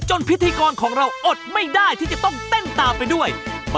พิธีกรของเราอดไม่ได้ที่จะต้องเต้นตามไปด้วย